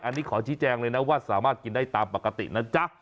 อันนี้ขอชี้แจงเลยนะว่าสามารถกินได้ตามปกตินะจ๊ะ